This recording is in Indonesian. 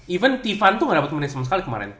even tivan tuh gak dapet menit sama sekali kemaren